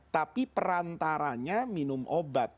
tapi perantaranya minum obat